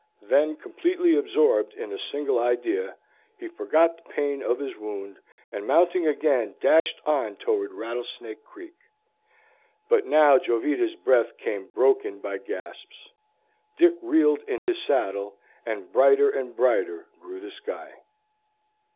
Then completely absorbed in a single idea, he forgot the pain of his wound, and mounting again dashed on toward Rattlesnake Creek. But now Jovita's breath came broken by gasps, Dick reeled in his saddle, and brighter and brighter grew the sky.